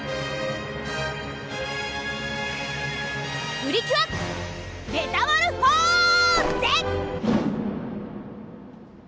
プリキュアメタモルフォーゼ！